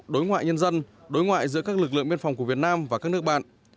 đối ngoại nhân dân đối ngoại giữa các lực lượng biên phòng của việt nam và các nước bạn